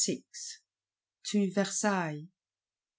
VI. To Versailles.